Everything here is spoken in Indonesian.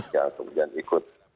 yang kemudian ikut